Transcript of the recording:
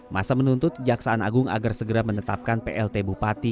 masa menuntut kejaksaan agung agar segera menetapkan plt bupati